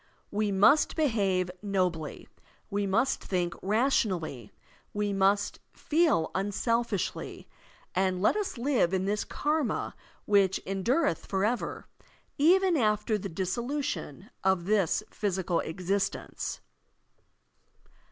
We must behave nobly, we must think' rationally, we must feel tmselfishly, and let us live in this karma which endureth forever, even after the dissolution of this physical existence.